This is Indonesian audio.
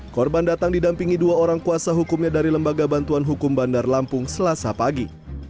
korban datang didampingi dua orang kuasa hukumnya dari lembaga bantuan hukum bandar lampung selasa pagi